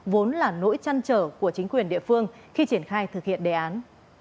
vốn là nỗi chăn trở của chính quyền địa phương khi triển khai thực hiện đề án